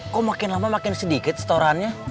kok makin lama makin sedikit setorannya